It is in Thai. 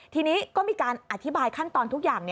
ทีนี้ก็มีการอธิบายขั้นตอนทุกอย่าง